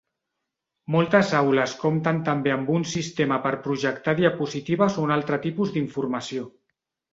Moltes aules compten també amb un sistema per projectar diapositives o un altre tipus d'informació.